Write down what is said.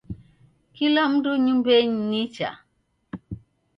Kila mundu nyumbenyi nicha?